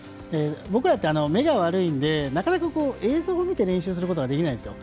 僕らって目が悪いのでなかなか映像を見て練習することができないんですよ。